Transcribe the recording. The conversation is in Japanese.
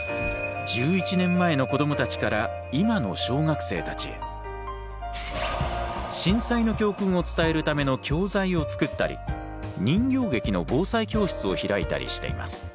１１年前の子どもたちから今の小学生たちへ震災の教訓を伝えるための教材をつくったり人形劇の防災教室を開いたりしています。